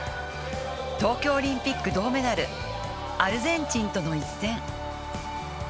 東京オリンピック銅メダルアルゼンチンとの一戦。